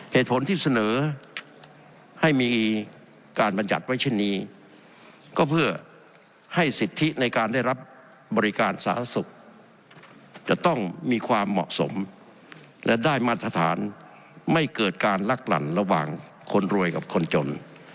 เหตุผลที่เสนอให้มีการบรรยัติไว้เช่นนี้ก็เพื่อให้สิทธิในการได้รับบริการสาธารณสุขจะต้องมีความเหมาะสมและได้มาตรฐานไม่เกิดการลักหลั่นระหว่างคนรวยกับคนจน